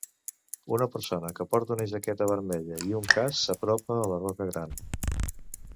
Una persona que porta una jaqueta vermella i un casc s'apropa a la roca gran.